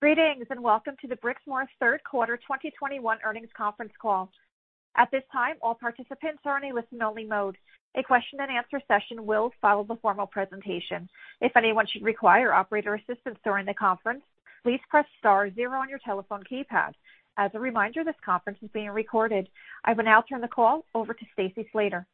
Greetings, and welcome to the Brixmor third quarter 2021 earnings conference call. At this time, all participants are in a listen-only mode. A question-and-answer session will follow the formal presentation. If anyone should require operator assistance during the conference, please press star zero on your telephone keypad. As a reminder, this conference is being recorded. I will now turn the call over to Stacy Slater.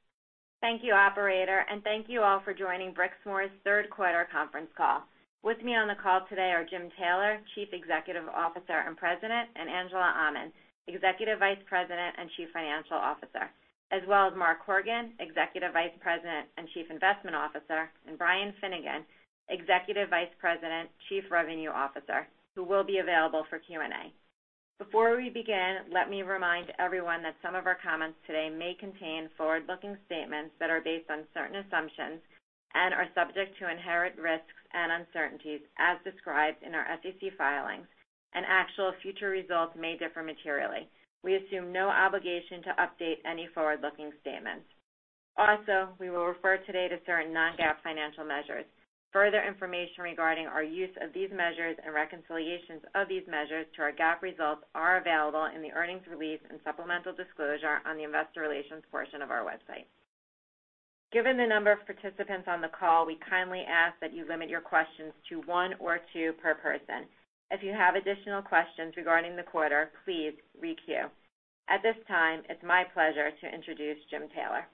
Thank you, operator, and thank you all for joining Brixmor's third quarter conference call. With me on the call today are Jim Taylor, Chief Executive Officer and President, and Angela Aman, Executive Vice President and Chief Financial Officer, as well as Mark Horgan, Executive Vice President and Chief Investment Officer, and Brian Finnegan, Executive Vice President, Chief Revenue Officer, who will be available for Q&A. Before we begin, let me remind everyone that some of our comments today may contain forward-looking statements that are based on certain assumptions and are subject to inherent risks and uncertainties as described in our SEC filings, and actual future results may differ materially. We assume no obligation to update any forward-looking statements. Also, we will refer today to certain non-GAAP financial measures. Further information regarding our use of these measures and reconciliations of these measures to our GAAP results are available in the earnings release and supplemental disclosure on the investor relations portion of our website. Given the number of participants on the call, we kindly ask that you limit your questions to one or two per person. If you have additional questions regarding the quarter, please re-queue. At this time, it's my pleasure to introduce Jim Taylor.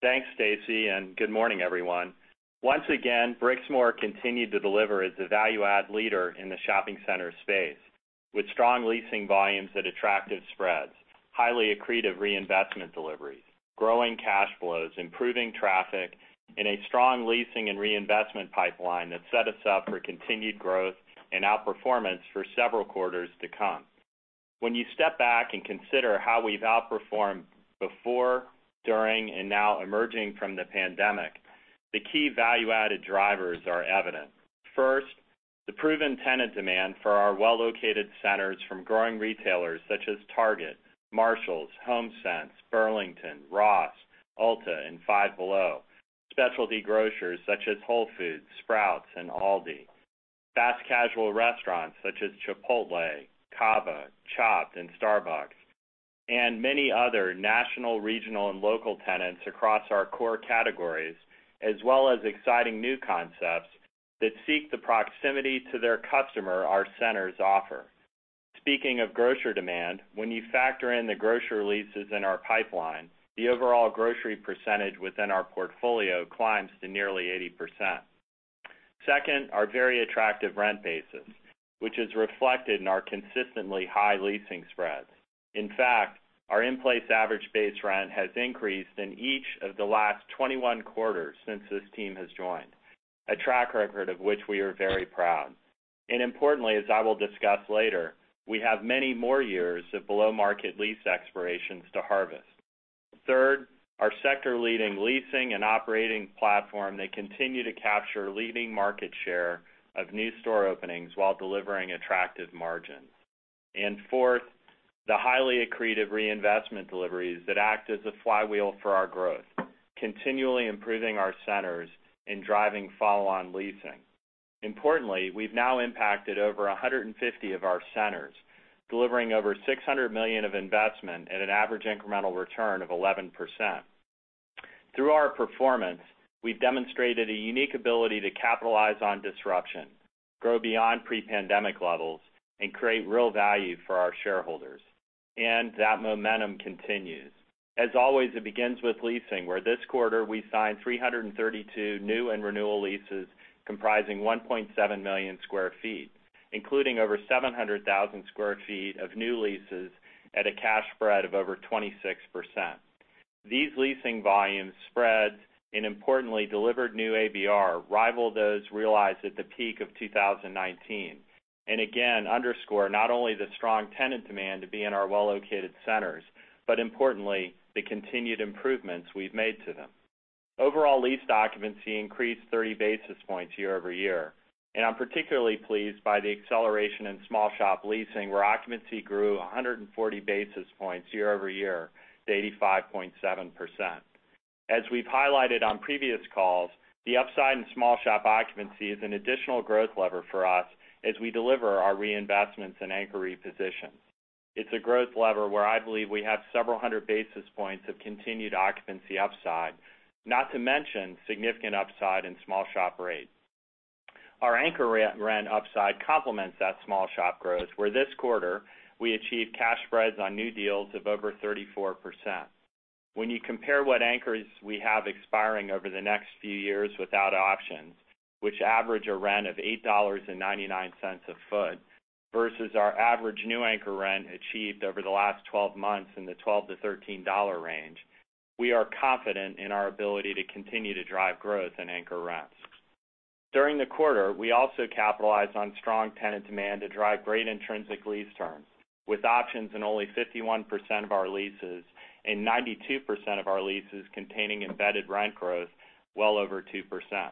Thanks, Stacy, and good morning, everyone. Once again, Brixmor continued to deliver as a value add leader in the shopping center space with strong leasing volumes at attractive spreads, highly accretive reinvestment deliveries, growing cash flows, improving traffic, and a strong leasing and reinvestment pipeline that set us up for continued growth and outperformance for several quarters to come. When you step back and consider how we've outperformed before, during, and now emerging from the pandemic, the key value-added drivers are evident. First, the proven tenant demand for our well-located centers from growing retailers such as Target, Marshalls, Homesense, Burlington, Ross, Ulta, and Five Below, specialty grocers such as Whole Foods, Sprouts, and Aldi, fast casual restaurants such as Chipotle, CAVA, Chopt, and Starbucks, and many other national, regional, and local tenants across our core categories, as well as exciting new concepts that seek the proximity to their customer our centers offer. Speaking of grocer demand, when you factor in the grocery leases in our pipeline, the overall grocery percentage within our portfolio climbs to nearly 80%. Second, our very attractive rent basis, which is reflected in our consistently high leasing spreads. In fact, our in-place average base rent has increased in each of the last 21 quarters since this team has joined, a track record of which we are very proud. Importantly, as I will discuss later, we have many more years of below-market lease expirations to harvest. Third, our sector-leading leasing and operating platform that continues to capture leading market share of new store openings while delivering attractive margins. Fourth, the highly accretive reinvestment deliveries that act as a flywheel for our growth, continually improving our centers and driving follow-on leasing. Importantly, we've now impacted over 150 of our centers, delivering over $600 million of investment at an average incremental return of 11%. Through our performance, we've demonstrated a unique ability to capitalize on disruption, grow beyond pre-pandemic levels, and create real value for our shareholders. That momentum continues. As always, it begins with leasing, where this quarter we signed 332 new and renewal leases comprising 1.7 million sq ft, including over 700,000 sq ft of new leases at a cash spread of over 26%. These leasing volumes spreads and importantly delivered new ABR rival those realized at the peak of 2019, and again underscore not only the strong tenant demand to be in our well-located centers, but importantly the continued improvements we've made to them. Overall lease occupancy increased 30 basis points year-over-year. I'm particularly pleased by the acceleration in small shop leasing, where occupancy grew 140 basis points year-over-year to 85.7%. As we've highlighted on previous calls, the upside in small shop occupancy is an additional growth lever for us as we deliver our reinvestments in anchor repositions. It's a growth lever where I believe we have several hundred basis points of continued occupancy upside, not to mention significant upside in small shop rates. Our anchor re-rent upside complements that small shop growth, where this quarter we achieved cash spreads on new deals of over 34%. When you compare what anchors we have expiring over the next few years without options, which average a rent of $8.99 a foot versus our average new anchor rent achieved over the last 12 months in the $12-$13 range, we are confident in our ability to continue to drive growth in anchor rents. During the quarter, we also capitalized on strong tenant demand to drive great intrinsic lease terms with options in only 51% of our leases and 92% of our leases containing embedded rent growth well over 2%.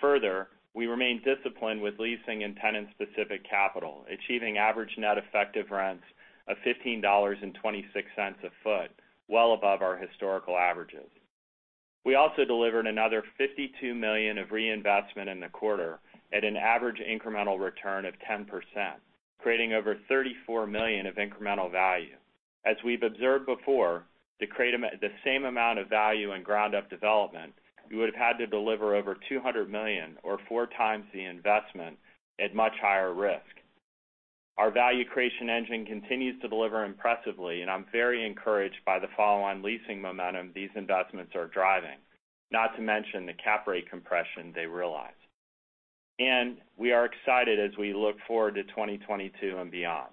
Further, we remain disciplined with leasing and tenant-specific capital, achieving average net effective rents of $15.26 a foot, well above our historical averages. We also delivered another $52 million of reinvestment in the quarter at an average incremental return of 10%, creating over $34 million of incremental value. As we've observed before, to create the same amount of value in ground-up development, we would have had to deliver over $200 million or four times the investment at much higher risk. Our value creation engine continues to deliver impressively, and I'm very encouraged by the follow-on leasing momentum these investments are driving, not to mention the cap rate compression they realize. We are excited as we look forward to 2022 and beyond.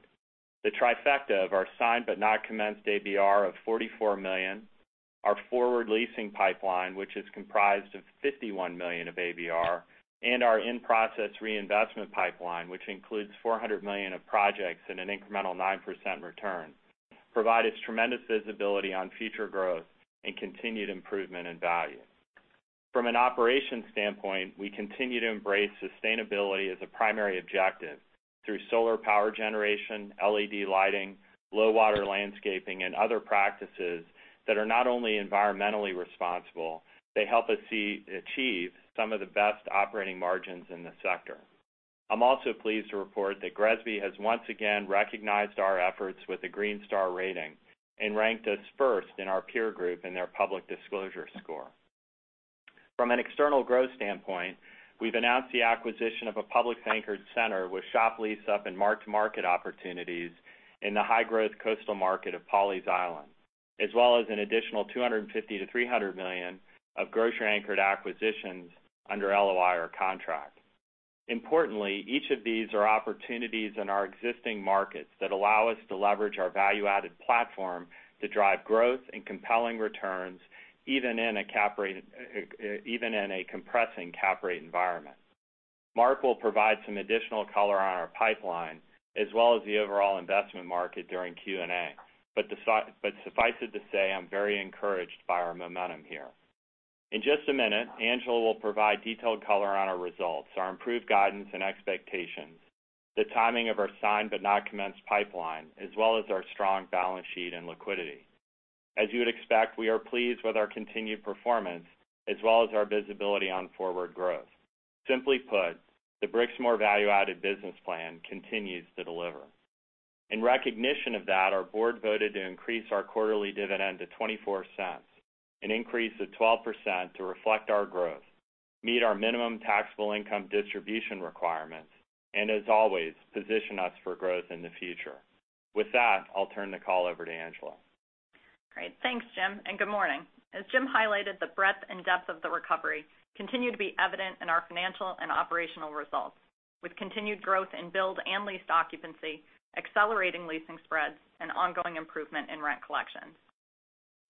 The trifecta of our signed but not commenced ABR of $44 million, our forward leasing pipeline, which is comprised of $51 million of ABR, and our in-process reinvestment pipeline, which includes $400 million of projects and an incremental 9% return, provides tremendous visibility on future growth and continued improvement in value. From an operations standpoint, we continue to embrace sustainability as a primary objective through solar power generation, LED lighting, low water landscaping, and other practices that are not only environmentally responsible, they help us achieve some of the best operating margins in the sector. I'm also pleased to report that GRESB has once again recognized our efforts with the Green Star rating and ranked us first in our peer group in their public disclosure score. From an external growth standpoint, we've announced the acquisition of a publicly anchored center with shop lease up and mark-to-market opportunities in the high-growth coastal market of Pawleys Island, as well as an additional $250 million-$300 million of grocery-anchored acquisitions under LOI or contract. Importantly, each of these are opportunities in our existing markets that allow us to leverage our value-added platform to drive growth and compelling returns even in a compressing cap rate environment. Mark will provide some additional color on our pipeline as well as the overall investment market during Q&A. Suffice it to say, I'm very encouraged by our momentum here. In just a minute, Angela will provide detailed color on our results, our improved guidance and expectations, the timing of our signed but not commenced pipeline, as well as our strong balance sheet and liquidity. As you would expect, we are pleased with our continued performance as well as our visibility on forward growth. Simply put, the Brixmor value-added business plan continues to deliver. In recognition of that, our board voted to increase our quarterly dividend to $0.24, an increase of 12% to reflect our growth, meet our minimum taxable income distribution requirements, and as always, position us for growth in the future. With that, I'll turn the call over to Angela. Great. Thanks, Jim, and good morning. As Jim highlighted, the breadth and depth of the recovery continue to be evident in our financial and operational results with continued growth in billed and leased occupancy, accelerating leasing spreads, and ongoing improvement in rent collections.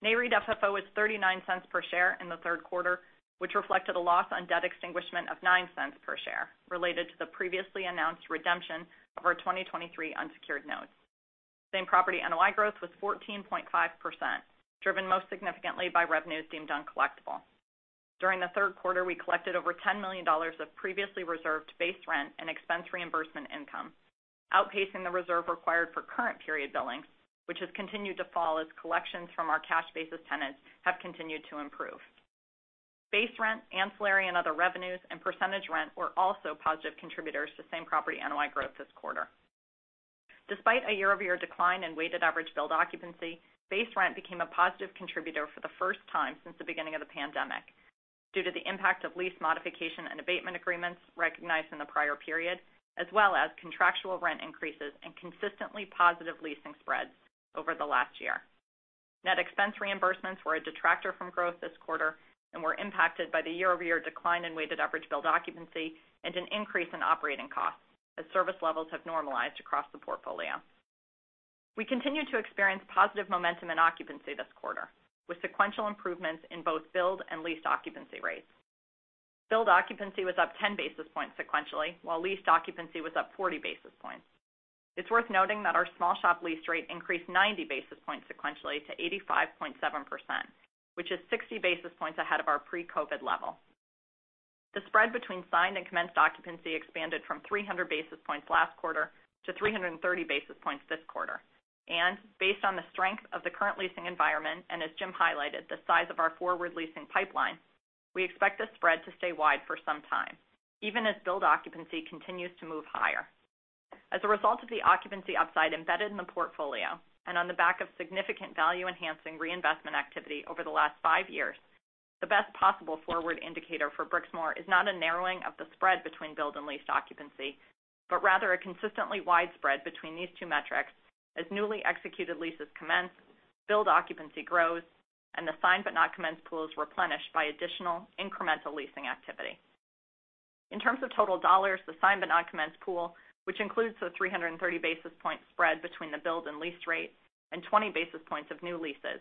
NAREIT FFO was $0.39 per share in the third quarter, which reflected a loss on debt extinguishment of $0.09 per share related to the previously announced redemption of our 2023 unsecured notes. Same property NOI growth was 14.5%, driven most significantly by revenues deemed uncollectible. During the third quarter, we collected over $10 million of previously reserved base rent and expense reimbursement income, outpacing the reserve required for current period billings, which has continued to fall as collections from our cash-basis tenants have continued to improve. Base rent, ancillary and other revenues, and percentage rent were also positive contributors to same-property NOI growth this quarter. Despite a year-over-year decline in weighted average billed occupancy, base rent became a positive contributor for the first time since the beginning of the pandemic due to the impact of lease modification and abatement agreements recognized in the prior period, as well as contractual rent increases and consistently positive leasing spreads over the last year. Net expense reimbursements were a detractor from growth this quarter and were impacted by the year-over-year decline in weighted average billed occupancy and an increase in operating costs as service levels have normalized across the portfolio. We continued to experience positive momentum in occupancy this quarter with sequential improvements in both billed and leased occupancy rates. Billed occupancy was up 10 basis points sequentially, while leased occupancy was up 40 basis points. It's worth noting that our small shop lease rate increased 90 basis points sequentially to 85.7%, which is 60 basis points ahead of our pre-COVID level. The spread between signed and commenced occupancy expanded from 300 basis points last quarter to 330 basis points this quarter. Based on the strength of the current leasing environment, and as Jim highlighted, the size of our forward leasing pipeline, we expect this spread to stay wide for some time, even as billed occupancy continues to move higher. As a result of the occupancy upside embedded in the portfolio and on the back of significant value-enhancing reinvestment activity over the last five years, the best possible forward indicator for Brixmor is not a narrowing of the spread between billed and leased occupancy, but rather a consistently wide spread between these two metrics as newly executed leases commence, billed occupancy grows, and the signed but not commenced pool is replenished by additional incremental leasing activity. In terms of total dollars, the signed but not commenced pool, which includes the 330 basis point spread between the billed and leased rate and 20 basis points of new leases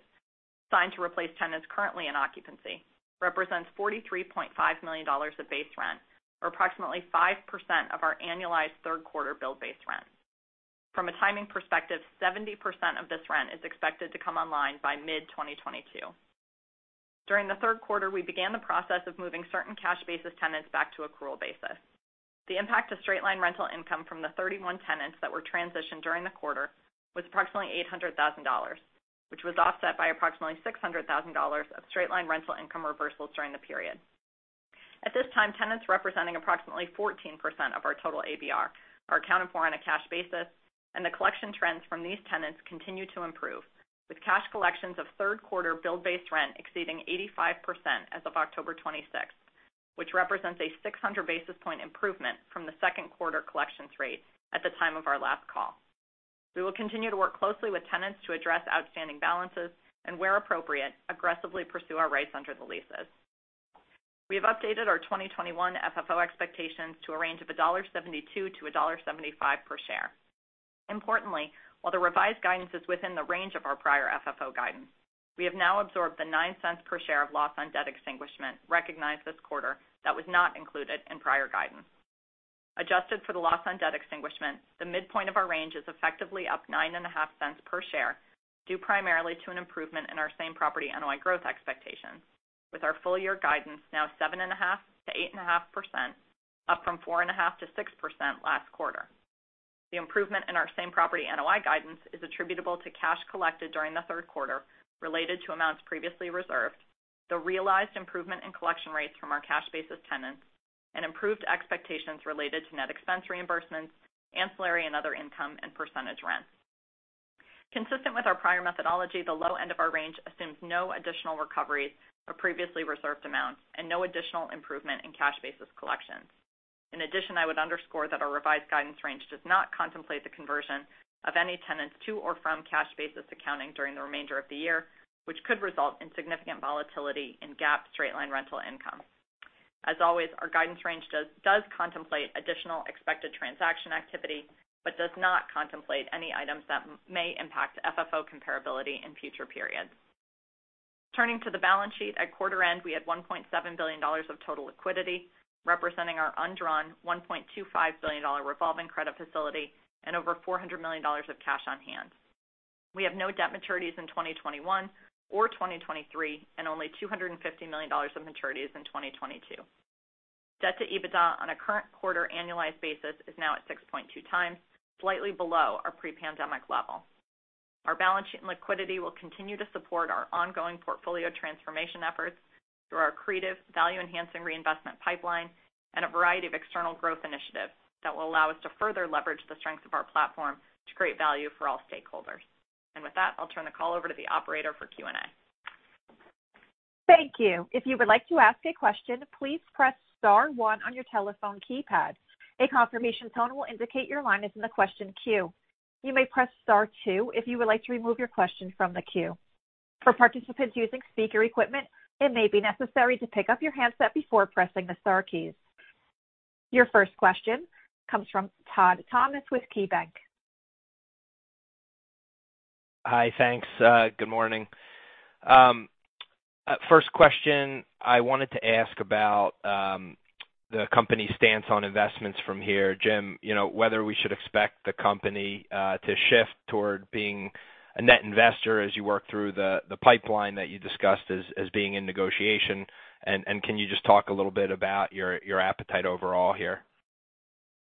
signed to replace tenants currently in occupancy, represents $43.5 million of base rent, or approximately 5% of our annualized third quarter billed base rent. From a timing perspective, 70% of this rent is expected to come online by mid-2022. During the third quarter, we began the process of moving certain cash-basis tenants back to accrual basis. The impact of straight-line rental income from the 31 tenants that were transitioned during the quarter was approximately $800,000, which was offset by approximately $600,000 of straight-line rental income reversals during the period. At this time, tenants representing approximately 14% of our total ABR are accounted for on a cash basis, and the collection trends from these tenants continue to improve, with cash collections of third quarter billed rent exceeding 85% as of October 26, which represents a 600 basis point improvement from the second quarter collections rate at the time of our last call. We will continue to work closely with tenants to address outstanding balances and, where appropriate, aggressively pursue our rights under the leases. We have updated our 2021 FFO expectations to a range of $1.72-$1.75 per share. Importantly, while the revised guidance is within the range of our prior FFO guidance, we have now absorbed the $0.09 per share of loss on debt extinguishment recognized this quarter that was not included in prior guidance. Adjusted for the loss on debt extinguishment, the midpoint of our range is effectively up $0.095 per share, due primarily to an improvement in our same property NOI growth expectations, with our full year guidance now 7.5%-8.5%, up from 4.5%-6% last quarter. The improvement in our same property NOI guidance is attributable to cash collected during the third quarter related to amounts previously reserved, the realized improvement in collection rates from our cash basis tenants, and improved expectations related to net expense reimbursements, ancillary and other income, and percentage rents. Consistent with our prior methodology, the low end of our range assumes no additional recoveries of previously reserved amounts and no additional improvement in cash basis collections. In addition, I would underscore that our revised guidance range does not contemplate the conversion of any tenants to or from cash basis accounting during the remainder of the year, which could result in significant volatility in GAAP straight-line rental income. As always, our guidance range does contemplate additional expected transaction activity, but does not contemplate any items that may impact FFO comparability in future periods. Turning to the balance sheet, at quarter end, we had $1.7 billion of total liquidity, representing our undrawn $1.25 billion revolving credit facility and over $400 million of cash on hand. We have no debt maturities in 2021 or 2023, and only $250 million of maturities in 2022. Debt to EBITDA on a current quarter annualized basis is now at 6.2x, slightly below our pre-pandemic level. Our balance sheet and liquidity will continue to support our ongoing portfolio transformation efforts through our accretive value enhancing reinvestment pipeline and a variety of external growth initiatives that will allow us to further leverage the strength of our platform to create value for all stakeholders. With that, I'll turn the call over to the operator for Q&A. Thank you. If you would like to ask a question, please press star one on your telephone keypad. A Confirmation tone will indicate your line, the question queue. You may press star two. If you would like to remove your questions from the queue. For participants using speaker equipment, it may be necessary to pick up yours hands up before pressing the star keys. Your first question comes from Todd Thomas with KeyBank. Hi. Thanks. Good morning. First question, I wanted to ask about the company's stance on investments from here, Jim. You know, whether we should expect the company to shift toward being a net investor as you work through the pipeline that you discussed as being in negotiation, and can you just talk a little bit about your appetite overall here?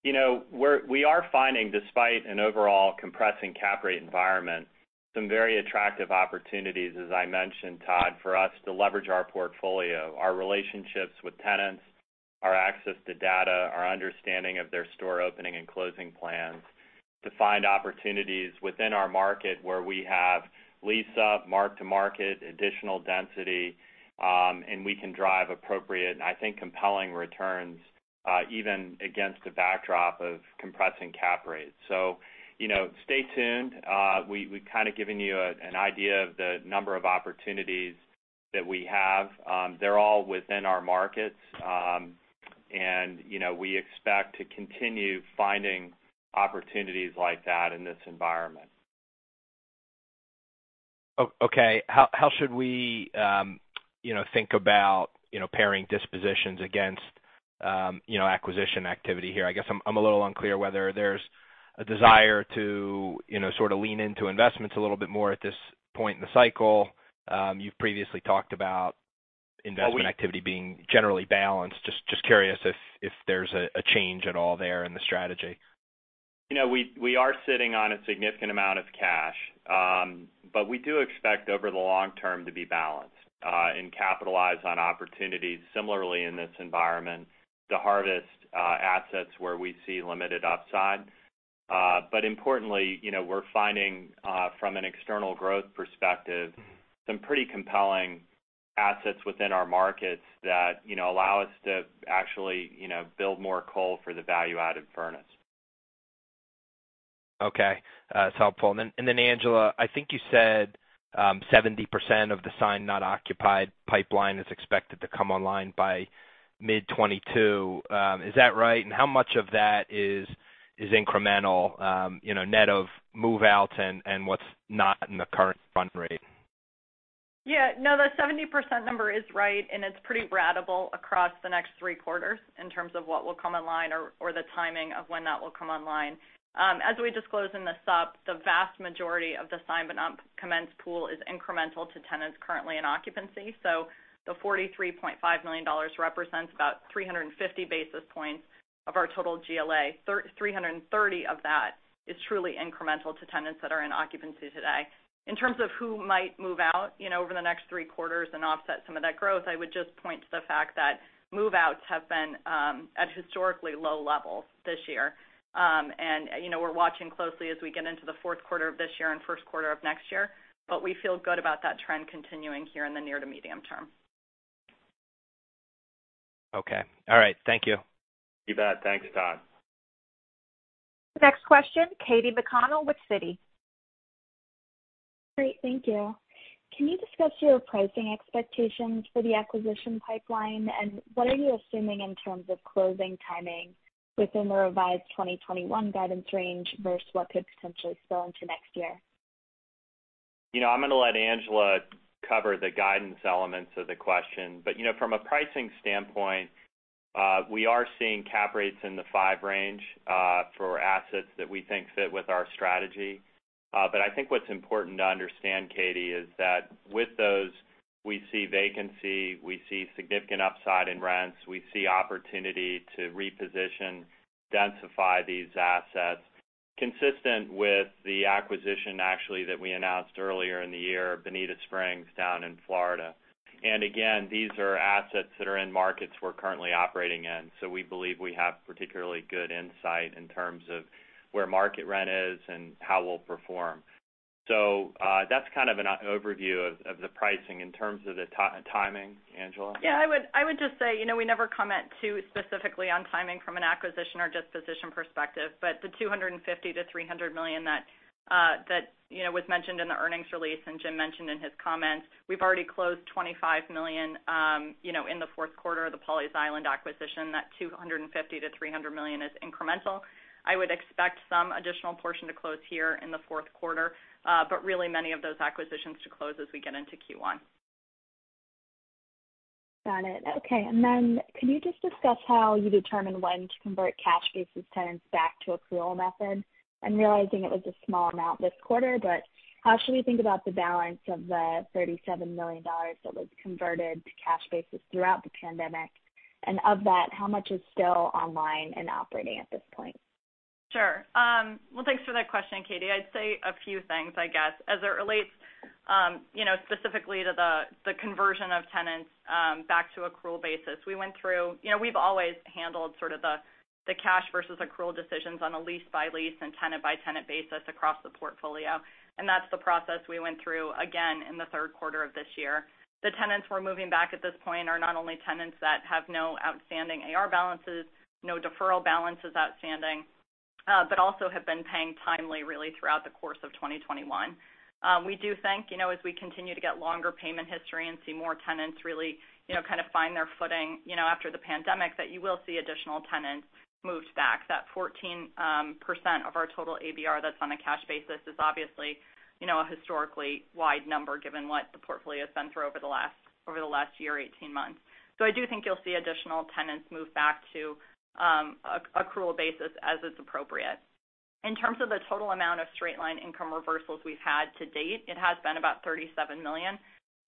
You know, we are finding, despite an overall compressing cap rate environment, some very attractive opportunities, as I mentioned, Todd, for us to leverage our portfolio, our relationships with tenants, our access to data, our understanding of their store opening and closing plans to find opportunities within our market where we have lease up, mark-to-market, additional density, and we can drive appropriate and, I think, compelling returns, even against a backdrop of compressing cap rates. You know, stay tuned. We've kind of given you an idea of the number of opportunities that we have. They're all within our markets. You know, we expect to continue finding opportunities like that in this environment. Okay. How should we, you know, think about, you know, pairing dispositions against, you know, acquisition activity here? I guess I'm a little unclear whether there's a desire to, you know, sort of lean into investments a little bit more at this point in the cycle. You've previously talked about investment activity being generally balanced. Just curious if there's a change at all there in the strategy. You know, we are sitting on a significant amount of cash, but we do expect over the long-term to be balanced and capitalize on opportunities similarly in this environment to harvest assets where we see limited upside. Importantly, you know, we're finding from an external growth perspective, some pretty compelling assets within our markets that, you know, allow us to actually, you know, build more core for the value-added business. Okay. That's helpful. Angela, I think you said 70% of the signed not occupied pipeline is expected to come online by mid-2022. Is that right? How much of that is incremental, you know, net of move-outs and what's not in the current run rate? Yeah. No, the 70% number is right, and it's pretty ratable across the next three quarters in terms of what will come online, the timing of when that will come online. As we disclose in the sup, the vast majority of the signed but not commenced pool is incremental to tenants currently in occupancy. So the $43.5 million represents about 350 basis points of our total GLA. 330 of that is truly incremental to tenants that are in occupancy today. In terms of who might move out, you know, over the next three quarters and offset some of that growth, I would just point to the fact that move-outs have been at historically low levels this year. You know, we're watching closely as we get into the fourth quarter of this year and first quarter of next year, but we feel good about that trend continuing here in the near to medium term. Okay. All right. Thank you. You bet. Thanks, Todd. Next question, Katy McConnell with Citi. Great. Thank you. Can you discuss your pricing expectations for the acquisition pipeline? What are you assuming in terms of closing timing within the revised 2021 guidance range versus what could potentially spill into next year? You know, I'm gonna let Angela cover the guidance elements of the question. You know, from a pricing standpoint, we are seeing cap rates in the 5% range for assets that we think fit with our strategy. I think what's important to understand, Katy, is that with those, we see vacancy, we see significant upside in rents, we see opportunity to reposition, densify these assets consistent with the acquisition actually that we announced earlier in the year, Bonita Springs, down in Florida. Again, these are assets that are in markets we're currently operating in. We believe we have particularly good insight in terms of where market rent is and how we'll perform. That's kind of an overview of the pricing. In terms of the timing, Angela. Yeah. I would just say, you know, we never comment too specifically on timing from an acquisition or disposition perspective, but the $250 million-$300 million that, you know, was mentioned in the earnings release, and Jim mentioned in his comments, we've already closed $25 million, you know, in the fourth quarter of the Pawleys Island acquisition. That $250 million-$300 million is incremental. I would expect some additional portion to close here in the fourth quarter, but really many of those acquisitions to close as we get into Q1. Got it. Okay. Can you just discuss how you determine when to convert cash basis tenants back to accrual method? I'm realizing it was a small amount this quarter, but how should we think about the balance of the $37 million that was converted to cash basis throughout the pandemic? Of that, how much is still online and operating at this point? Sure. Thanks for that question, Katy. I'd say a few things, I guess. As it relates, you know, specifically to the conversion of tenants back to accrual basis. We went through. You know, we've always handled sort of the cash versus accrual decisions on a lease-by-lease and tenant-by-tenant basis across the portfolio, and that's the process we went through again in the third quarter of this year. The tenants we're moving back at this point are not only tenants that have no outstanding AR balances, no deferral balances outstanding, but also have been paying timely really throughout the course of 2021. We do think, you know, as we continue to get longer payment history and see more tenants really, you know, kind of find their footing, you know, after the pandemic, that you will see additional tenants moved back. That 14% of our total ABR that's on a cash basis is obviously, you know, a historically wide number given what the portfolio has been through over the last year, 18 months. I do think you'll see additional tenants move back to accrual basis as it's appropriate. In terms of the total amount of straight-line income reversals we've had to date, it has been about $37 million.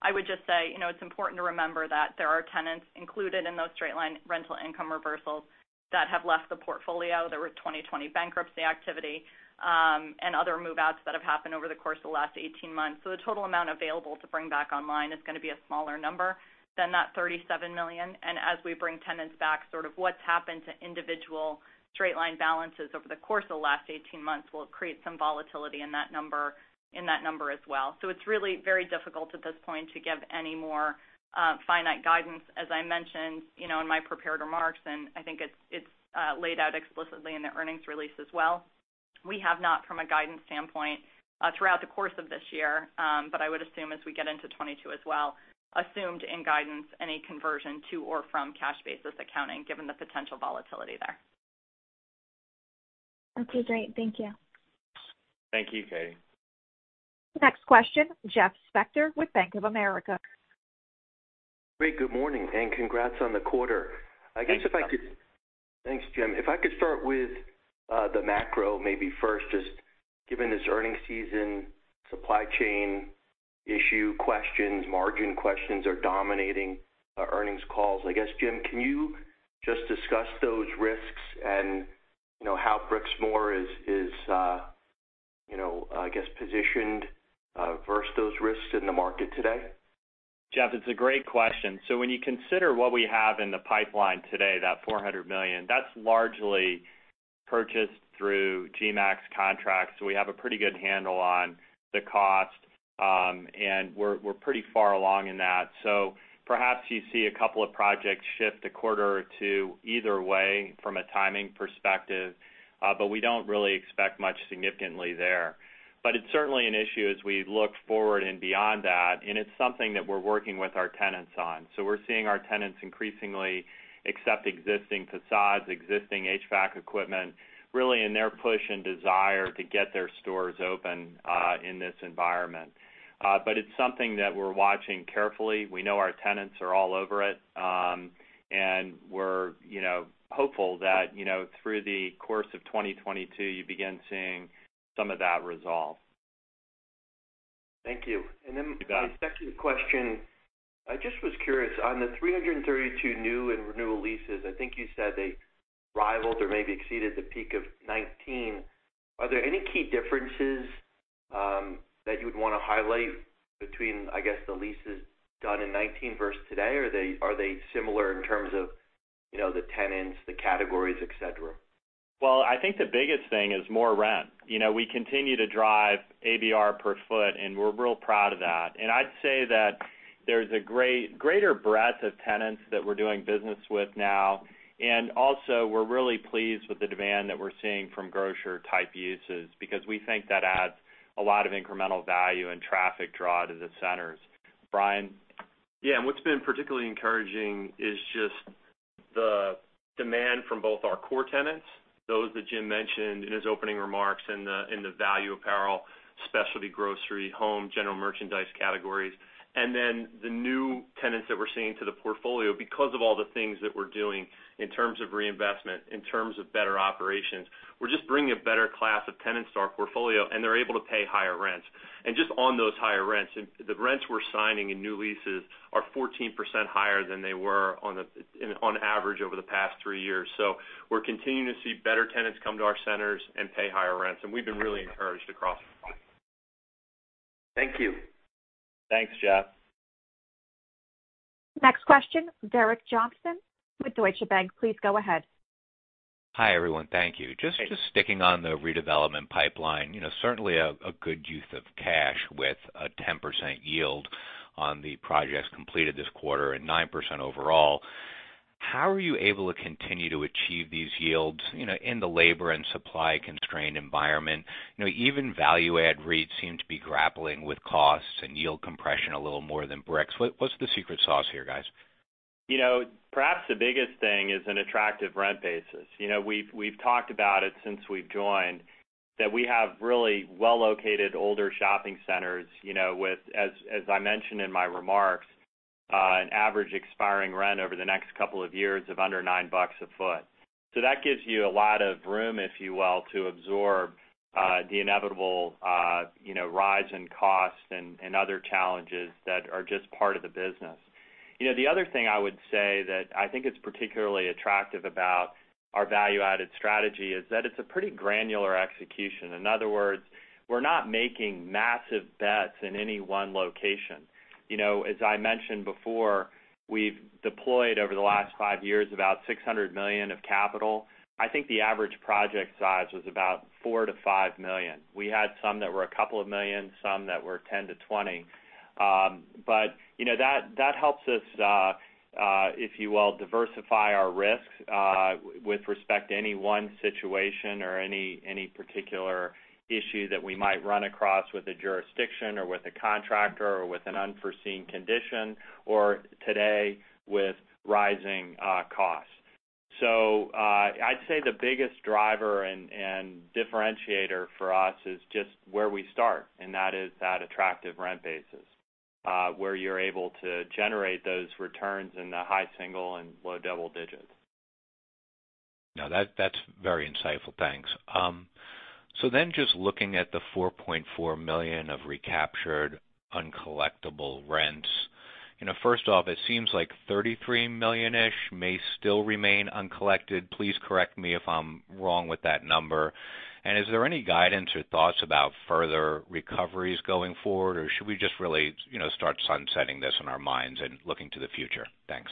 I would just say, you know, it's important to remember that there are tenants included in those straight-line rental income reversals that have left the portfolio. There were 2020 bankruptcy activity and other move-outs that have happened over the course of the last 18 months. The total amount available to bring back online is gonna be a smaller number than that $37 million. As we bring tenants back, sort of what's happened to individual straight-line balances over the course of the last 18 months will create some volatility in that number as well. It's really very difficult at this point to give any more finite guidance. As I mentioned, you know, in my prepared remarks, and I think it's laid out explicitly in the earnings release as well, we have not, from a guidance standpoint, throughout the course of this year, but I would assume as we get into 2022 as well, assumed in guidance any conversion to or from cash basis accounting, given the potential volatility there. Okay, great. Thank you. Thank you, Katy. Next question, Jeff Spector with Bank of America. Great, good morning, and congrats on the quarter. Thanks, Jeff. I guess if I could. Thanks, Jim. If I could start with the macro maybe first. Just given this earnings season, supply chain issue questions, margin questions are dominating earnings calls. I guess, Jim, can you just discuss those risks and, you know, how Brixmor is positioned versus those risks in the market today? Jeff, it's a great question. When you consider what we have in the pipeline today, that $400 million, that's largely purchased through GMAC contracts. We have a pretty good handle on the cost, and we're pretty far along in that. Perhaps you see a couple of projects shift a quarter or two either way from a timing perspective, but we don't really expect much significantly there. It's certainly an issue as we look forward and beyond that, and it's something that we're working with our tenants on. We're seeing our tenants increasingly accept existing facades, existing HVAC equipment, really in their push and desire to get their stores open, in this environment. It's something that we're watching carefully. We know our tenants are all over it. We're, you know, hopeful that, you know, through the course of 2022, you begin seeing some of that resolve. Thank you. The second question, I just was curious, on the 332 new and renewal leases, I think you said they rivaled or maybe exceeded the peak of 2019. Are there any key differences that you would wanna highlight between, I guess, the leases done in 2019 versus today? Are they similar in terms of, you know, the tenants, the categories, etc? Well, I think the biggest thing is more rent. You know, we continue to drive ABR per foot, and we're real proud of that. I'd say that there's a greater breadth of tenants that we're doing business with now. Also, we're really pleased with the demand that we're seeing from grocer-type uses because we think that adds a lot of incremental value and traffic draw to the centers. Brian? Yeah. What's been particularly encouraging is just the demand from both our core tenants, those that Jim mentioned in his opening remarks in the value apparel, specialty grocery, home, general merchandise categories. Then the new tenants that we're seeing to the portfolio because of all the things that we're doing in terms of reinvestment, in terms of better operations. We're just bringing a better class of tenants to our portfolio, and they're able to pay higher rents. Just on those higher rents, and the rents we're signing in new leases are 14% higher than they were on average over the past three years. We're continuing to see better tenants come to our centers and pay higher rents. We've been really encouraged across the board. Thank you. Thanks, Jeff. Next question, Derek Johnston with Deutsche Bank. Please go ahead. Hi, everyone. Thank you. Just sticking on the redevelopment pipeline, you know, certainly a good use of cash with a 10% yield on the projects completed this quarter and 9% overall. How are you able to continue to achieve these yields, you know, in the labor and supply-constrained environment? You know, even value add rates seem to be grappling with costs and yield compression a little more than Brixmor. What's the secret sauce here, guys? You know, perhaps the biggest thing is an attractive rent basis. You know, we've talked about it since we've joined, that we have really well-located older shopping centers, you know, with, as I mentioned in my remarks, an average expiring rent over the next couple of years of under $9 a foot. So that gives you a lot of room, if you will, to absorb the inevitable, you know, rise in costs and other challenges that are just part of the business. You know, the other thing I would say that I think is particularly attractive about our value-added strategy is that it's a pretty granular execution. In other words, we're not making massive bets in any one location. You know, as I mentioned before, we've deployed over the last five years about $600 million of capital. I think the average project size was about $4 million-$5 million. We had some that were a couple of million, some that were $10 million-$20 million. You know, that helps us, if you will, diversify our risks with respect to any one situation or any particular issue that we might run across with a jurisdiction or with a contractor or with an unforeseen condition, or today with rising costs. I'd say the biggest driver and differentiator for us is just where we start, and that is that attractive rent basis, where you're able to generate those returns in the high single and low double digits. No, that's very insightful. Thanks. Just looking at the $4.4 million of recaptured uncollectible rents. You know, first off, it seems like $33 million-ish may still remain uncollected. Please correct me if I'm wrong with that number. Is there any guidance or thoughts about further recoveries going forward? Or should we just really, you know, start sunsetting this in our minds and looking to the future? Thanks.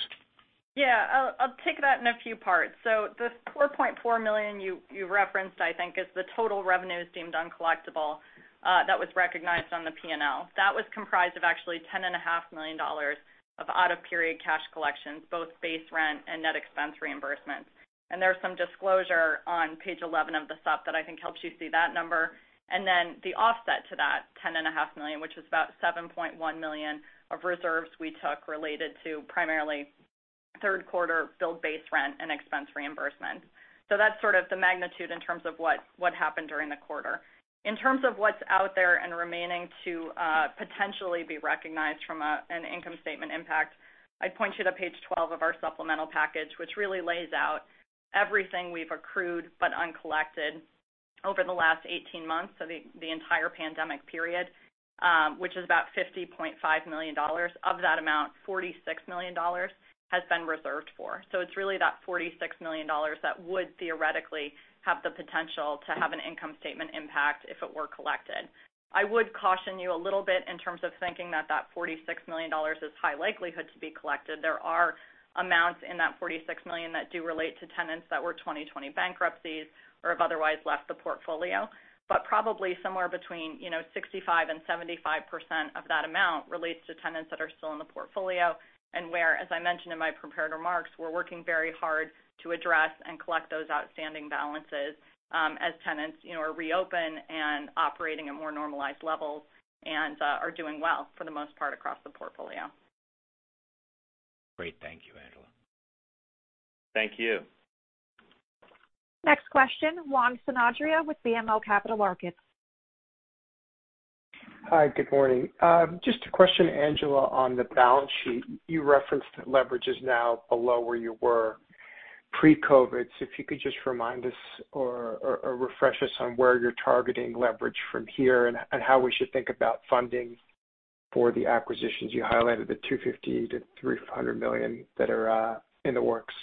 Yeah. I'll take that in a few parts. The $4.4 million you referenced, I think, is the total revenues deemed uncollectible that was recognized on the P&L. That was comprised of actually $10.5 million of out-of-period cash collections, both base rent and net expense reimbursements. There's some disclosure on page 11 of the sup that I think helps you see that number. Then the offset to that $10.5 million, which was about $7.1 million of reserves we took related to primarily third quarter billed base rent and expense reimbursement. That's sort of the magnitude in terms of what happened during the quarter. In terms of what's out there and remaining to potentially be recognized from an income statement impact, I'd point you to page 12 of our supplemental package, which really lays out everything we've accrued but uncollected over the last 18 months, so the entire pandemic period, which is about $50.5 million. Of that amount, $46 million has been reserved for. It's really that $46 million that would theoretically have the potential to have an income statement impact if it were collected. I would caution you a little bit in terms of thinking that that $46 million is high likelihood to be collected. There are amounts in that $46 million that do relate to tenants that were 2020 bankruptcies or have otherwise left the portfolio. Probably somewhere between, you know, 65%-75% of that amount relates to tenants that are still in the portfolio, and where, as I mentioned in my prepared remarks, we're working very hard to address and collect those outstanding balances, as tenants, you know, are reopening and operating at more normalized levels and, are doing well for the most part across the portfolio. Great. Thank you, Angela. Thank you. Next question, Juan Sanabria with BMO Capital Markets. Hi, good morning. Just a question, Angela, on the balance sheet. You referenced that leverage is now below where you were. Pre-COVID, so if you could just remind us or refresh us on where you're targeting leverage from here and how we should think about funding for the acquisitions? You highlighted the $250 million-$300 million that are in the works.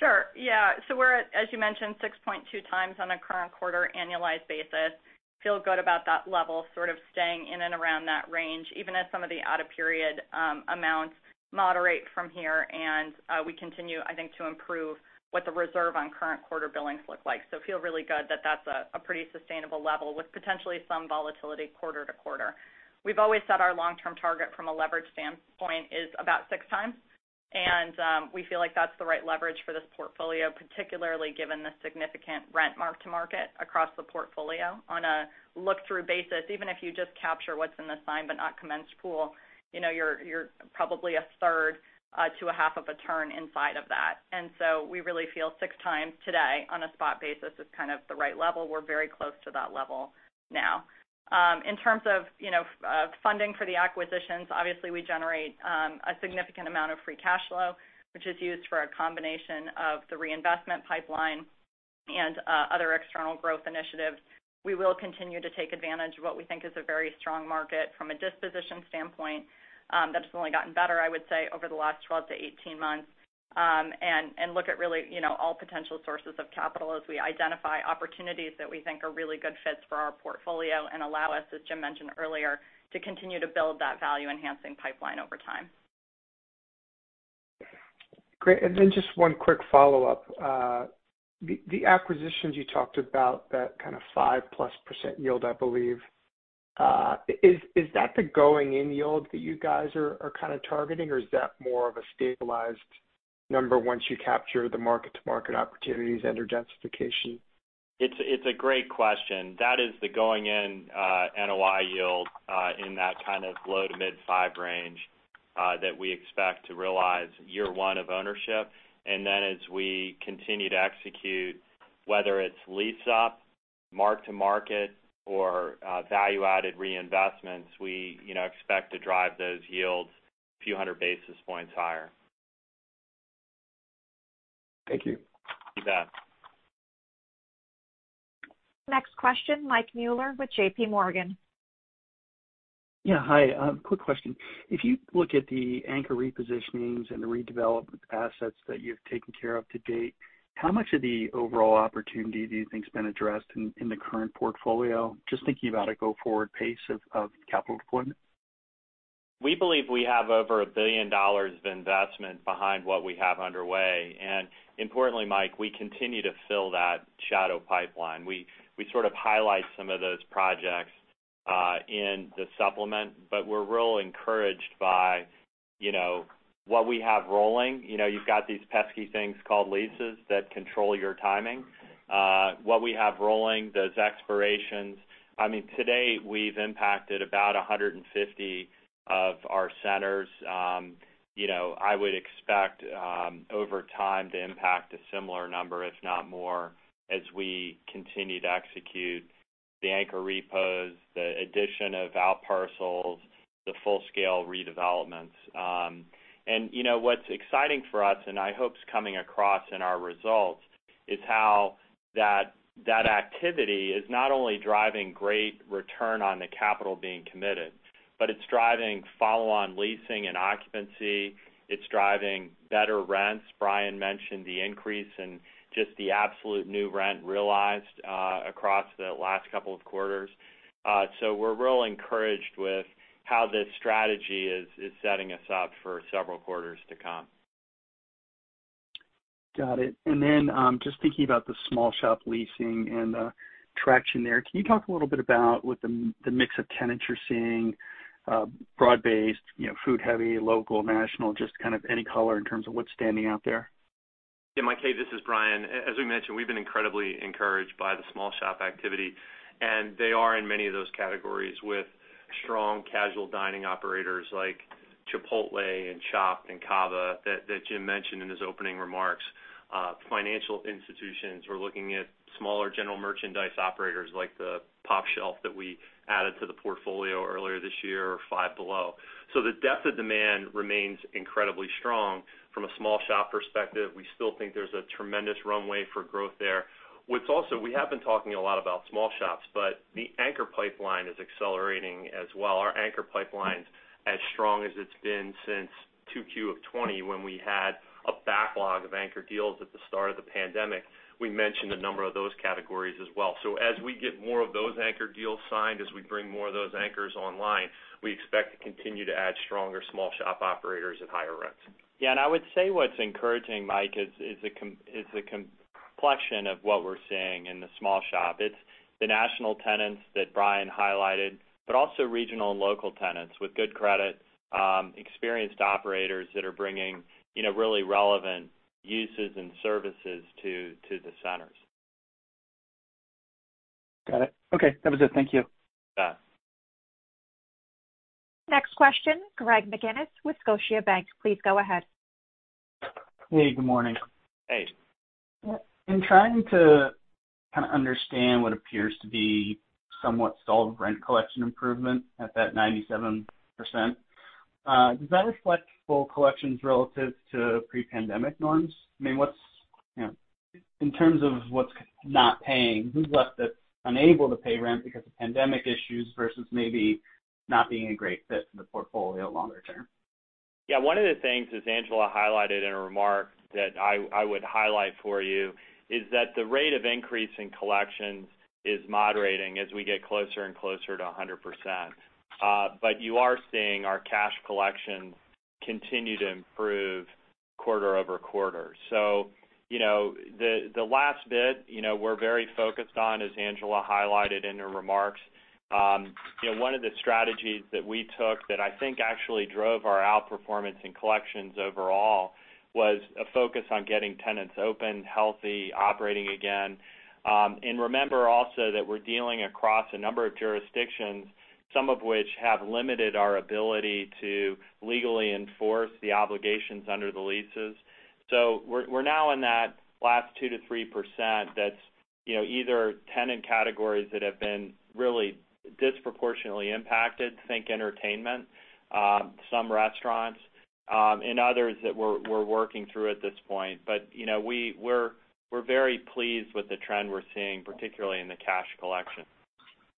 Sure. Yeah. We're at, as you mentioned, 6.2x on a current quarter annualized basis. Feel good about that level sort of staying in and around that range, even as some of the out-of-period amounts moderate from here. We continue, I think, to improve what the reserve on current quarter billings look like. Feel really good that that's a pretty sustainable level with potentially some volatility quarter to quarter. We've always said our long-term target from a leverage standpoint is about 6x, and we feel like that's the right leverage for this portfolio, particularly given the significant rent mark-to-market across the portfolio. On a look-through basis, even if you just capture what's in the signed but not commenced pool, you know, you're probably a third to a half of a turn inside of that. We really feel 6x today on a spot basis is kind of the right level. We're very close to that level now. In terms of, you know, funding for the acquisitions, obviously, we generate a significant amount of free cash flow, which is used for a combination of the reinvestment pipeline and other external growth initiatives. We will continue to take advantage of what we think is a very strong market from a disposition standpoint, that has only gotten better, I would say, over the last 12-18 months. Look at really, you know, all potential sources of capital as we identify opportunities that we think are really good fits for our portfolio and allow us, as Jim mentioned earlier, to continue to build that value-enhancing pipeline over time. Great. Just one quick follow-up. The acquisitions you talked about, that kind of 5%+ yield, I believe, is that the going-in yield that you guys are kind of targeting, or is that more of a stabilized number once you capture the mark-to-market opportunities and/or densification? It's a great question. That is the going in NOI yield in that kind of low- to mid-5% range that we expect to realize year one of ownership. Then as we continue to execute, whether it's lease up, mark to market or value-added reinvestments, you know, expect to drive those yields a few hundred basis points higher. Thank you. You bet. Next question, Michael Mueller with JPMorgan. Yeah. Hi. Quick question. If you look at the anchor repositionings and the redevelop assets that you've taken care of to date, how much of the overall opportunity do you think's been addressed in the current portfolio? Just thinking about a go-forward pace of capital deployment. We believe we have over $1 billion of investment behind what we have underway. Importantly, Mike, we continue to fill that shadow pipeline. We sort of highlight some of those projects in the supplement, but we're really encouraged by, you know, what we have rolling. You know, you've got these pesky things called leases that control your timing. What we have rolling, those expirations, I mean, today we've impacted about 150 of our centers. You know, I would expect over time to impact a similar number, if not more, as we continue to execute the anchor repos, the addition of outparcels, the full-scale redevelopments. You know, what's exciting for us, and I hope it's coming across in our results, is how that activity is not only driving great return on the capital being committed, but it's driving follow-on leasing and occupancy. It's driving better rents. Brian mentioned the increase in just the absolute new rent realized across the last couple of quarters. So we're really encouraged with how this strategy is setting us up for several quarters to come. Got it. Just thinking about the small shop leasing and the traction there. Can you talk a little bit about what the mix of tenants you're seeing, broad-based, you know, food heavy, local, national, just kind of any color in terms of what's standing out there? Yeah, Mike, hey, this is Brian. As we mentioned, we've been incredibly encouraged by the small shop activity, and they are in many of those categories with strong casual dining operators like Chipotle and Chopt and Cava that Jim mentioned in his opening remarks. Financial institutions, we're looking at smaller general merchandise operators like the pOpshelf that we added to the portfolio earlier this year or Five Below. The depth of demand remains incredibly strong from a small shop perspective. We still think there's a tremendous runway for growth there. What's also, we have been talking a lot about small shops, but the anchor pipeline is accelerating as well. Our anchor pipeline's as strong as it's been since 2Q of 2020 when we had a backlog of anchor deals at the start of the pandemic. We mentioned a number of those categories as well. As we get more of those anchor deals signed, as we bring more of those anchors online, we expect to continue to add stronger small shop operators at higher rents. Yeah. I would say what's encouraging, Mike, is the complexion of what we're seeing in the small shop. It's the national tenants that Brian highlighted, but also regional and local tenants with good credit, experienced operators that are bringing, you know, really relevant uses and services to the centers. Got it. Okay. That was it. Thank you. You bet. Next question, Greg McGinniss with Scotiabank. Please go ahead. Hey, good morning. Hey. In trying to kind of understand what appears to be somewhat solid rent collection improvement at that 97%. Does that reflect full collections relative to pre-pandemic norms? I mean, what's, you know, in terms of what's not paying, who's left that's unable to pay rent because of pandemic issues versus maybe not being a great fit for the portfolio longer-term? Yeah. One of the things, as Angela highlighted in her remarks, that I would highlight for you is that the rate of increase in collections is moderating as we get closer and closer to 100%. But you are seeing our cash collections continue to improve quarter-over-quarter. You know, the last bit, you know, we're very focused on, as Angela highlighted in her remarks, you know, one of the strategies that we took that I think actually drove our outperformance in collections overall was a focus on getting tenants open, healthy, operating again. Remember also that we're dealing across a number of jurisdictions, some of which have limited our ability to legally enforce the obligations under the leases. We're now in that last 2%-3% that's, you know, either tenant categories that have been really disproportionately impacted, think entertainment, some restaurants, and others that we're working through at this point. You know, we're very pleased with the trend we're seeing, particularly in the cash collection.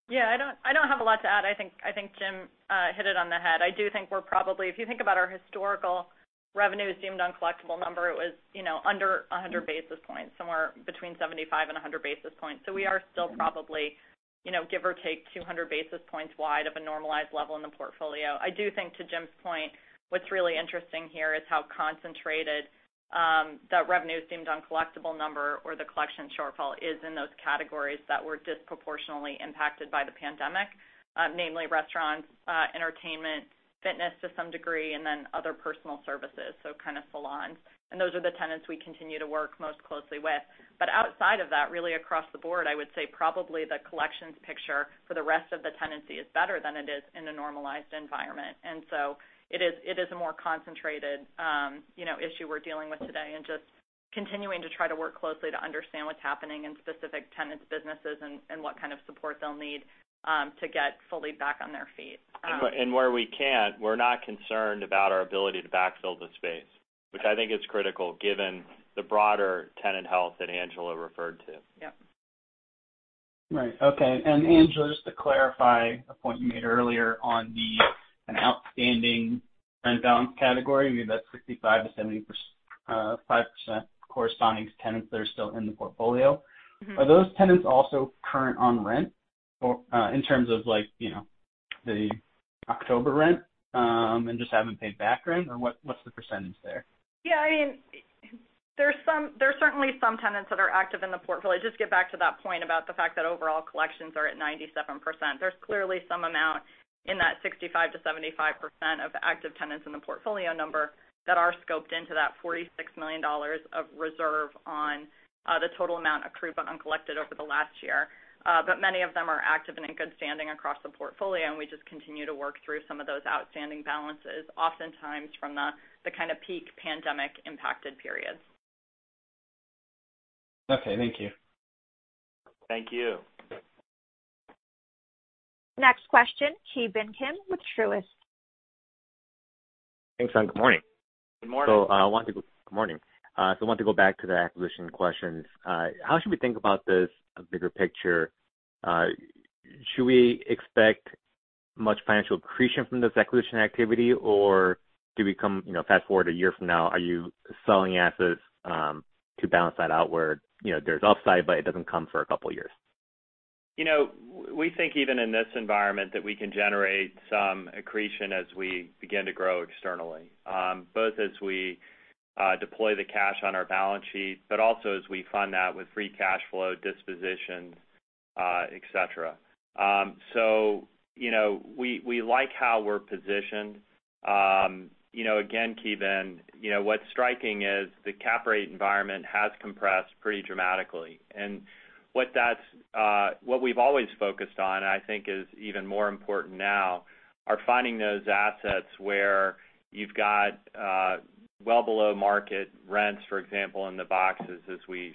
Yeah. I don't have a lot to add. I think Jim hit it on the head. I do think we're probably, if you think about our historical revenue deemed uncollectible number, it was, you know, under 100 basis points, somewhere between 75 and 100 basis points. So we are still probably, you know, give or take, 200 basis points wide of a normalized level in the portfolio. I do think, to Jim's point, what's really interesting here is how concentrated that revenue deemed uncollectible number or the collection shortfall is in those categories that were disproportionately impacted by the pandemic, namely restaurants, entertainment, fitness to some degree, and then other personal services, so kind of salons. Those are the tenants we continue to work most closely with. Outside of that, really across the board, I would say probably the collections picture for the rest of the tenancy is better than it is in a normalized environment. It is a more concentrated, you know, issue we're dealing with today and just continuing to try to work closely to understand what's happening in specific tenants' businesses and what kind of support they'll need to get fully back on their feet. Where we can't, we're not concerned about our ability to backfill the space, which I think is critical given the broader tenant health that Angela referred to. Yep. Angela, just to clarify a point you made earlier on the outstanding rent balance category, I mean, that's 65%-75% corresponding to tenants that are still in the portfolio. Mm-hmm. Are those tenants also current on rent or, in terms of like, you know, the October rent, and just haven't paid back rent? Or what's the percentage there? Yeah, I mean, there's certainly some tenants that are active in the portfolio. Just get back to that point about the fact that overall collections are at 97%. There's clearly some amount in that 65%-75% of active tenants in the portfolio number that are scoped into that $46 million of reserve on the total amount accrued but uncollected over the last year. But many of them are active and in good standing across the portfolio, and we just continue to work through some of those outstanding balances, oftentimes from the kind of peak pandemic impacted periods. Okay, thank you. Thank you. Next question, Ki Bin Kim with Truist. Thanks. Good morning. Good morning. Good morning. I want to go back to the acquisition questions. How should we think about this bigger picture? Should we expect much financial accretion from this acquisition activity? Do we, you know, fast-forward a year from now? Are you selling assets to balance that out where, you know, there's upside, but it doesn't come for a couple of years? You know, we think even in this environment that we can generate some accretion as we begin to grow externally, both as we deploy the cash on our balance sheet, but also as we fund that with free cash flow, dispositions, etc. You know, we like how we're positioned. You know, again, Ki Bin Kim, you know, what's striking is the cap rate environment has compressed pretty dramatically. What we've always focused on, and I think is even more important now, are finding those assets where you've got well below market rents, for example, in the boxes as we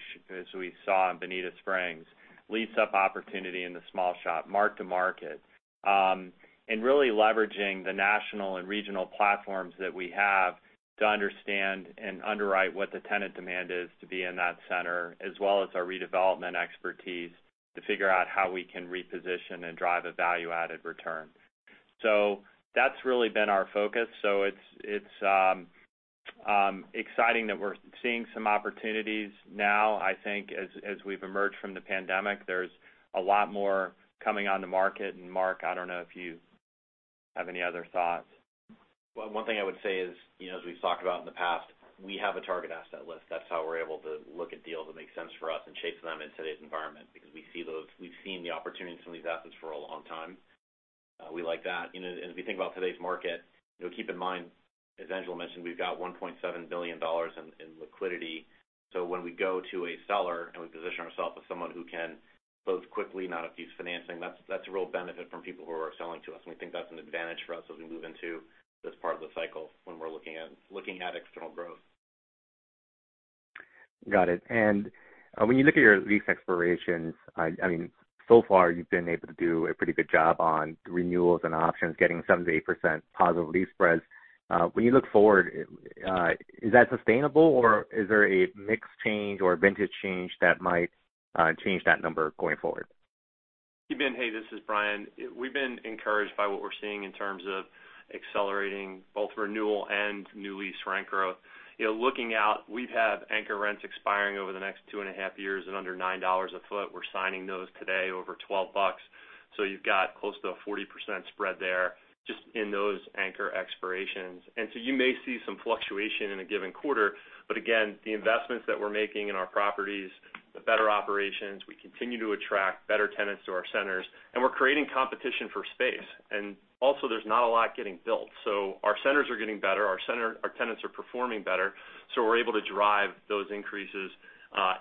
saw in Bonita Springs, lease up opportunity in the small shop, mark to market, and really leveraging the national and regional platforms that we have to understand and underwrite what the tenant demand is to be in that center, as well as our redevelopment expertise to figure out how we can reposition and drive a value-added return. That's really been our focus. It's exciting that we're seeing some opportunities now. I think as we've emerged from the pandemic, there's a lot more coming on the market. Mark, I don't know if you have any other thoughts. Well, one thing I would say is, you know, as we've talked about in the past, we have a target asset list. That's how we're able to look at deals that make sense for us and chase them in today's environment because we see those. We've seen the opportunities in some of these assets for a long time. We like that. You know, and if you think about today's market, you know, keep in mind, as Angela mentioned, we've got $1.7 billion in liquidity. So when we go to a seller and we position ourself as someone who can close quickly, not use financing, that's a real benefit from people who are selling to us. We think that's an advantage for us as we move into this part of the cycle when we're looking at external growth. Got it. When you look at your lease expirations, I mean, so far you've been able to do a pretty good job on renewals and options, getting 7%-8% positive lease spreads. When you look forward, is that sustainable, or is there a mix change or vintage change that might change that number going forward? Ki Bin Kim, hey, this is Brian. We've been encouraged by what we're seeing in terms of accelerating both renewal and new lease rent growth. You know, looking out, we've had anchor rents expiring over the next 2.5 years and under $9 a foot. We're signing those today over $12. So you've got close to a 40% spread there just in those anchor expirations. You may see some fluctuation in a given quarter. Again, the investments that we're making in our properties, the better operations, we continue to attract better tenants to our centers, and we're creating competition for space. Also there's not a lot getting built. Our centers are getting better, our tenants are performing better, so we're able to drive those increases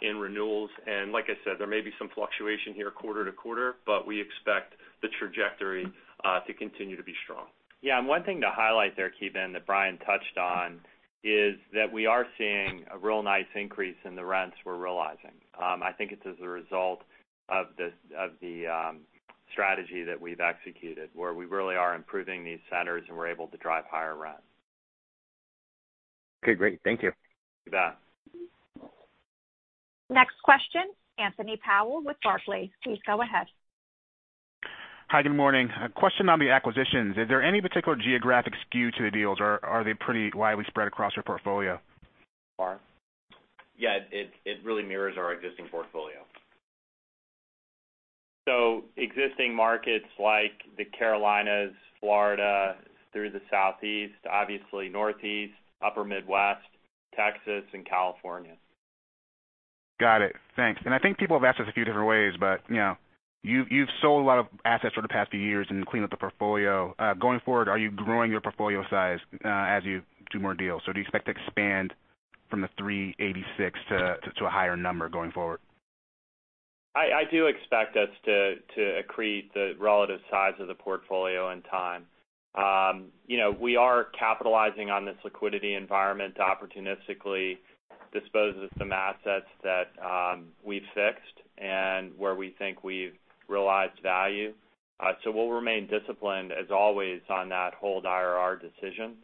in renewals. Like I said, there may be some fluctuation here quarter-to-quarter, but we expect the trajectory to continue to be strong. Yeah. One thing to highlight there, Ki Bin Kim, that Brian touched on, is that we are seeing a real nice increase in the rents we're realizing. I think it's as a result of this strategy that we've executed, where we really are improving these centers and we're able to drive higher rent. Okay, great. Thank you. You bet. Next question, Anthony Powell with Barclays. Please go ahead. Hi, good morning. A question on the acquisitions. Is there any particular geographic skew to the deals, or are they pretty widely spread across your portfolio? Mark? Yeah. It really mirrors our existing portfolio. Existing markets like the Carolinas, Florida through the southeast, obviously northeast, upper Midwest, Texas and California. Got it. Thanks. I think people have asked this a few different ways, but, you know, you've sold a lot of assets for the past few years and cleaned up the portfolio. Going forward, are you growing your portfolio size, as you do more deals? Do you expect to expand from the 386 to a higher number going forward? I do expect us to accrete the relative size of the portfolio in time. You know, we are capitalizing on this liquidity environment to opportunistically dispose of some assets that we've fixed and where we think we've realized value. We'll remain disciplined as always on that hold IRR decision.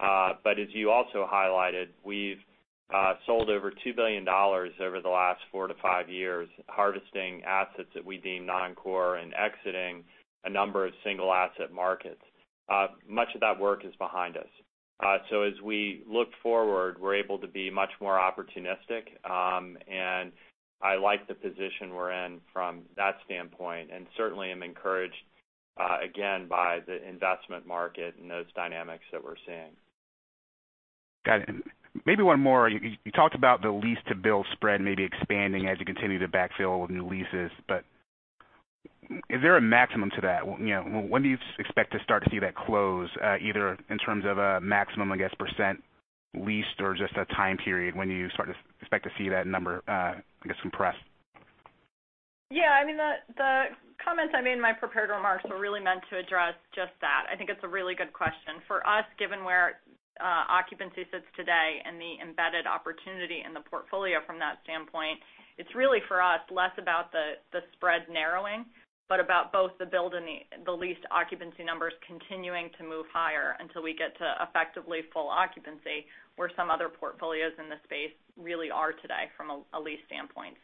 As you also highlighted, we've sold over $2 billion over the last 4-5 years, harvesting assets that we deem non-core and exiting a number of single asset markets. Much of that work is behind us. As we look forward, we're able to be much more opportunistic. I like the position we're in from that standpoint, and certainly I'm encouraged again by the investment market and those dynamics that we're seeing. Got it. Maybe one more. You talked about the lease to build spread maybe expanding as you continue to backfill with new leases, but is there a maximum to that? You know, when do you expect to start to see that close, either in terms of a maximum, I guess, percent leased or just a time period when you start to expect to see that number, I guess, compress? Yeah. I mean, the comments I made in my prepared remarks were really meant to address just that. I think it's a really good question. For us, given where occupancy sits today and the embedded opportunity in the portfolio from that standpoint, it's really for us, less about the spread narrowing, but about both the build and the leased occupancy numbers continuing to move higher until we get to effectively full occupancy, where some other portfolios in the space really are today from a lease standpoint.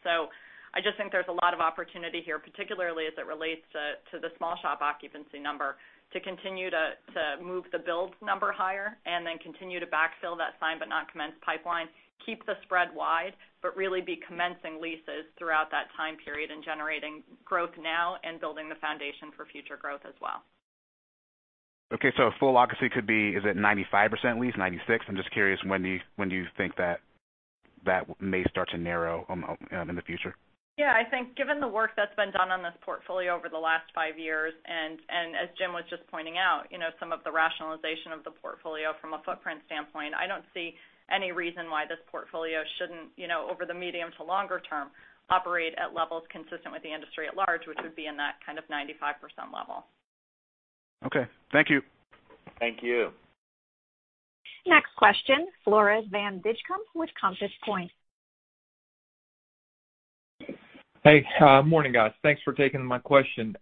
I just think there's a lot of opportunity here, particularly as it relates to the small shop occupancy number, to continue to move the build number higher and then continue to backfill that signed but not commenced pipeline. Keep the spread wide, but really be commencing leases throughout that time period and generating growth now and building the foundation for future growth as well. Okay. Full occupancy could be, is it 95% leased, 96%? I'm just curious, when do you think that may start to narrow in the future? Yeah. I think given the work that's been done on this portfolio over the last five years, and as Jim was just pointing out, you know, some of the rationalization of the portfolio from a footprint standpoint, I don't see any reason why this portfolio shouldn't, you know, over the medium to longer term, operate at levels consistent with the industry at large, which would be in that kind of 95% level. Okay. Thank you. Thank you. Next question, Floris van Dijkum with Compass Point. Hey, morning, guys. Thanks for taking my question.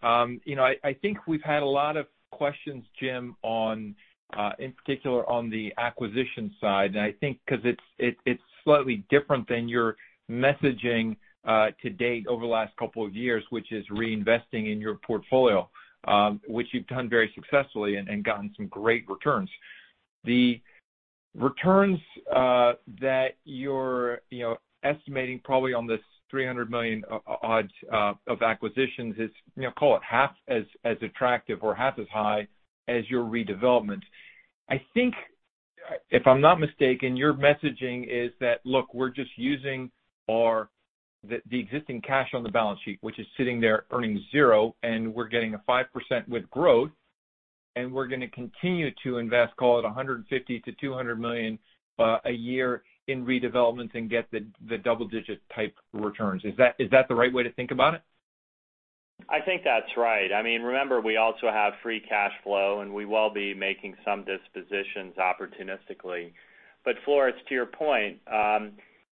You know, I think we've had a lot of questions, Jim, in particular on the acquisition side. I think 'cause it's slightly different than your messaging to date over the last couple of years, which is reinvesting in your portfolio, which you've done very successfully and gotten some great returns. The returns that you're estimating probably on this $300 million odd of acquisitions is, you know, call it half as attractive or half as high as your redevelopment. I think if I'm not mistaken, your messaging is that, look, we're just using the existing cash on the balance sheet, which is sitting there earning zero and we're getting a 5% with growth, and we're gonna continue to invest, call it $150 million-$200 million a year in redevelopments and get the double digit type returns. Is that the right way to think about it? I think that's right. I mean, remember, we also have free cash flow, and we will be making some dispositions opportunistically. Floris, to your point,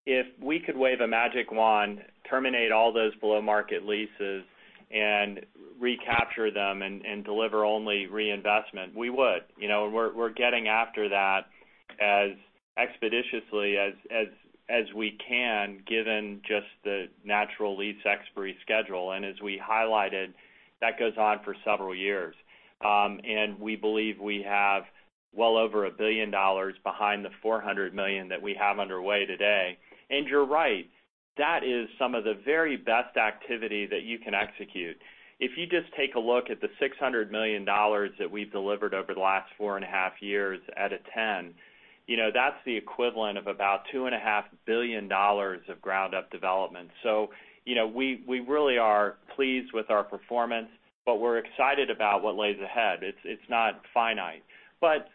if we could wave a magic wand, terminate all those below-market leases and recapture them and deliver only reinvestment, we would. You know, we're getting after that as expeditiously as we can, given just the natural lease expiration schedule. As we highlighted, that goes on for several years. We believe we have well over $1 billion behind the $400 million that we have underway today. You're right, that is some of the very best activity that you can execute. If you just take a look at the $600 million that we've delivered over the last 4.5 years out of 10 years, you know, that's the equivalent of about $2.5 billion of ground up development. You know, we really are pleased with our performance, but we're excited about what lies ahead. It's not finite.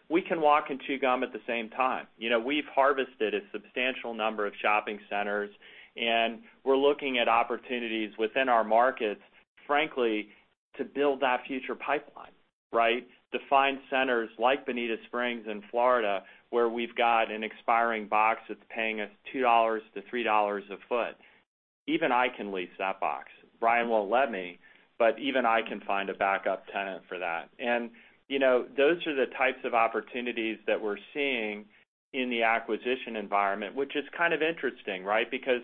We can walk and chew gum at the same time. You know, we've harvested a substantial number of shopping centers, and we're looking at opportunities within our markets, frankly, to build that future pipeline, right? To find centers like Bonita Springs in Florida, where we've got an expiring box that's paying us $2-$3 a foot. Even I can lease that box. Brian won't let me, but even I can find a backup tenant for that. You know, those are the types of opportunities that we're seeing in the acquisition environment, which is kind of interesting, right? Because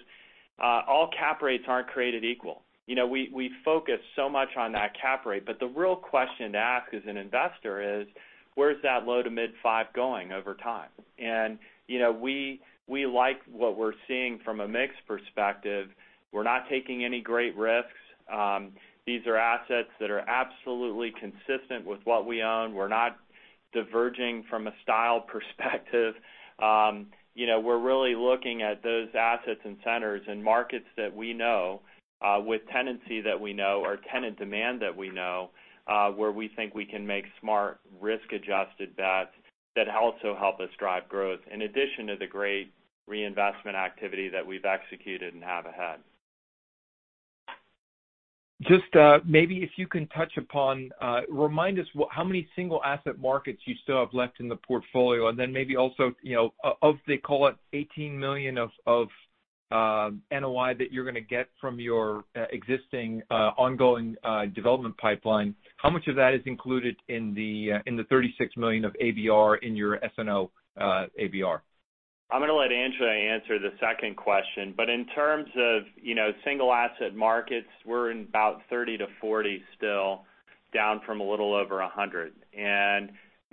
all cap rates aren't created equal. You know, we focus so much on that cap rate, but the real question to ask as an investor is, where's that low to mid five going over time? You know, we like what we're seeing from a mix perspective. We're not taking any great risks. These are assets that are absolutely consistent with what we own. We're not diverging from a style perspective. You know, we're really looking at those assets and centers and markets that we know, with tenancy that we know or tenant demand that we know, where we think we can make smart risk-adjusted bets that also help us drive growth, in addition to the great reinvestment activity that we've executed and have ahead. Just, maybe if you can touch upon, remind us how many single asset markets you still have left in the portfolio, and then maybe also, you know, of they call it $18 million of NOI that you're gonna get from your existing ongoing development pipeline, how much of that is included in the $36 million of ABR in your SNO ABR? I'm gonna let Angela answer the second question, but in terms of, you know, single asset markets, we're in about 30-40 still, down from a little over 100.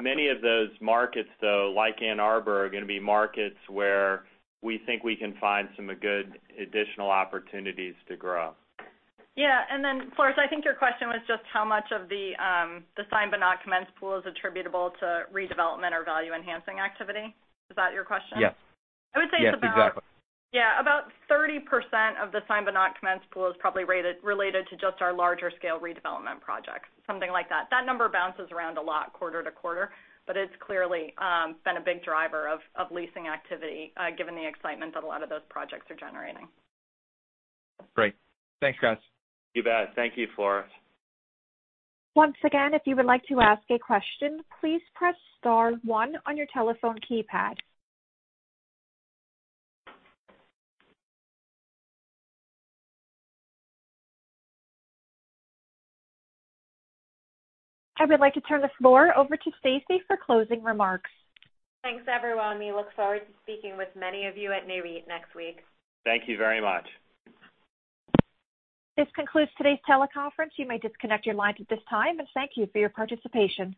Many of those markets, though, like Ann Arbor, are gonna be markets where we think we can find some good additional opportunities to grow. Yeah. Floris, I think your question was just how much of the signed but not commenced pool is attributable to redevelopment or value enhancing activity. Is that your question? Yes. I would say it's about. Yes, exactly. Yeah, about 30% of the signed but not commenced pool is probably related to just our larger scale redevelopment projects, something like that. That number bounces around a lot quarter-to-quarter, but it's clearly been a big driver of leasing activity, given the excitement that a lot of those projects are generating. Great. Thanks, guys. You bet. Thank you, Floris. Once again, if you would like to ask a question, please press star one on your telephone keypad. I would like to turn the floor over to Stacy for closing remarks. Thanks, everyone. We look forward to speaking with many of you at NAREIT next week. Thank you very much. This concludes today's teleconference. You may disconnect your lines at this time, and thank you for your participation.